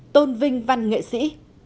tôn vinh văn nghệ sĩ